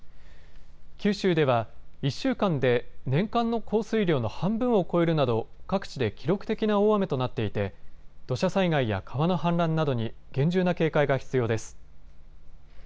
九州では１週間で年間の降水量の半分を超えるなど各地で記録的な大雨となっていて土砂災害や川の氾濫などに厳重な警戒が必要です。